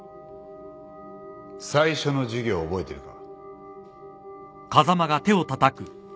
最初の授業覚えてるか？